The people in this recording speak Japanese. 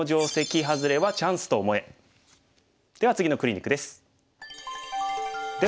では次のクリニックです。